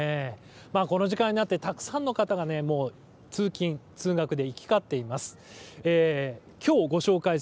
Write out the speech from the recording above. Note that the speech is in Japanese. この時間になってたくさんの方が通勤通学で行き交っています。